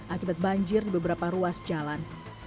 akibat banjir di beberapa ruas jalan